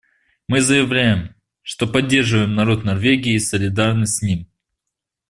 Мы заявляем, что поддерживаем народ Норвегии и солидарны с ним.